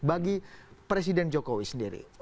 bagi presiden jokowi sendiri